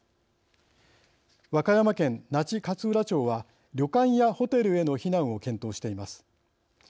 和歌山県那智勝浦町は旅館やホテルへの避難を検討しています。